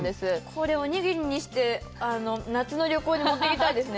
これおにぎりにして夏の旅行に持っていきたいですね